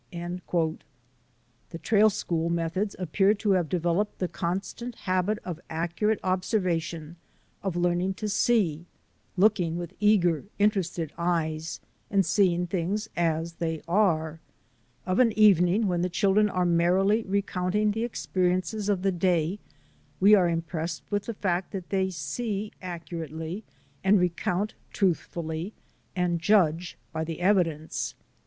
The Trail School methods appear to have de veloped the constant habit of accurate observa tion; of learning to see; looking with eager, inter ested eyes and seeing things as they are. Of an i 7 8 THE ADVENTURES OF A NATURE GUIDE evening when the children are merrily recounting the experiences of the day we are impressed with the fact that they see accurately and recount truthfully, and judge by the evidence.